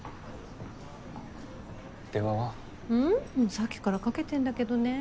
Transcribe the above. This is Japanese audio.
さっきからかけてんだけどね。